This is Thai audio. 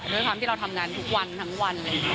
ด้วยความที่เราทำงานทุกวันทั้งวันเลย